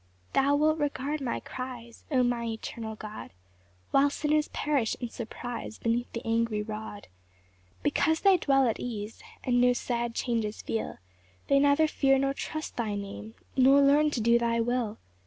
3 Thou wilt regard my cries, O my eternal God, While sinners perish in surprise Beneath thine angry rod. 4 Because they dwell at ease, And no sad changes feel, They neither fear nor trust thy Name, Nor learn to do thy will.